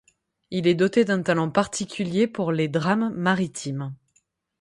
Il est doté d'un talent particulier pour les drames maritimes.